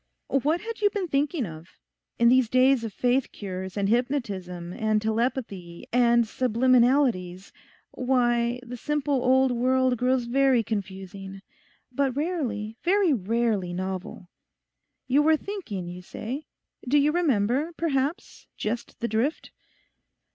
'What had you been thinking of? In these days of faith cures, and hypnotism, and telepathy, and subliminalities—why, the simple old world grows very confusing. But rarely, very rarely novel. You were thinking, you say; do you remember, perhaps, just the drift?